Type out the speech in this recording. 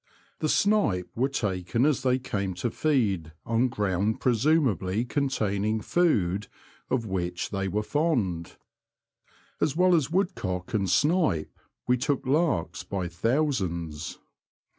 The snipe were taken as they came to feed on ground presumably contain ing food of which they were fond. As well as woodcock and snipe, we took larks by thousands.